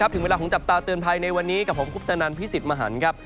สวัสดีทิ้งเวลาของจับตาเตือนภัยในวันนี้กับผมกรุณนานพิศิษภ์มหันฯครับ